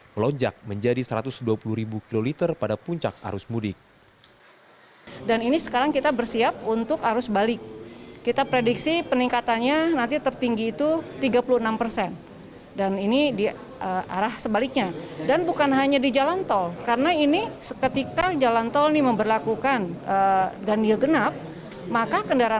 melonjak menjadi satu ratus dua puluh kiloliter pada puncak arus mudik